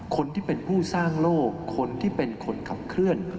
คนที่เป็นผู้สร้างโลกคนที่เป็นคนขับเคลื่อน